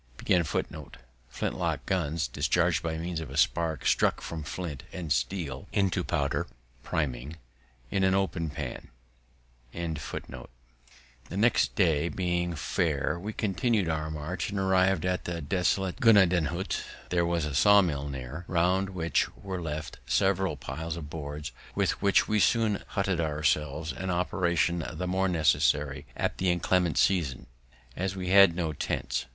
Flint lock guns, discharged by means of a spark struck from flint and steel into powder (priming) in an open pan. [Illustration: "We had not march'd many miles before it began to rain"] The next day being fair, we continu'd our march, and arriv'd at the desolated Gnadenhut. There was a saw mill near, round which were left several piles of boards, with which we soon hutted ourselves; an operation the more necessary at that inclement season, as we had no tents.